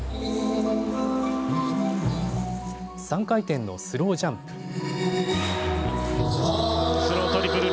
３回転のスロージャンプ。